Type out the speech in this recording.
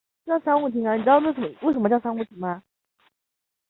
自此第三股势力登场。